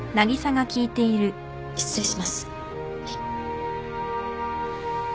失礼しますはい。